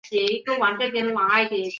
管理局设于台南园区。